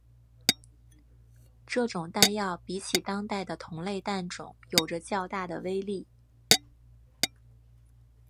这种弹药比起当代的同类弹种有着较大的威力。